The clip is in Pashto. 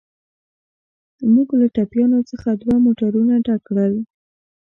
موږ له ټپیانو څخه دوه موټرونه ډک کړل.